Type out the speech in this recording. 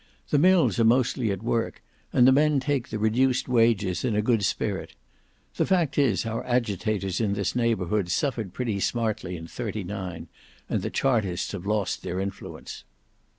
"The mills are mostly at work, and the men take the reduced wages in a good spirit. The fact is our agitators in this neighbourhood suffered pretty smartly in '39, and the Chartists have lost their influence.